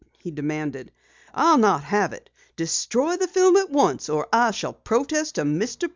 he demanded. "I'll not have it! Destroy the film at once or I shall protest to Mr. Parker!"